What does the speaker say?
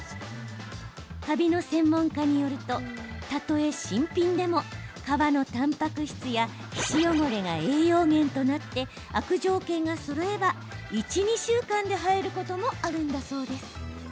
カビの専門家によるとたとえ新品でも革のたんぱく質や皮脂汚れが栄養源となって悪条件がそろえば１、２週間で生えることもあるんだそう。